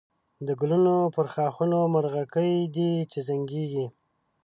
د گلونو پر ښاخونو مرغکۍ دی چی زنگېږی